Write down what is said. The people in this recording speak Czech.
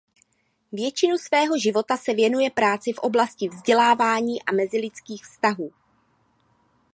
Většinu svého života se věnuje práci v oblasti vzdělávání a mezilidských vztahů.